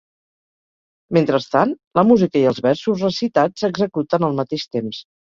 Mentrestant, la música i els versos recitats s'executen al mateix temps.